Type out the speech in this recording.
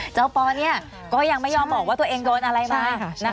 เจ้าปอลเนี่ยก็ยังไม่ยอมบอกว่าตัวเองโดนอะไรมา